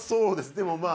でもまあ。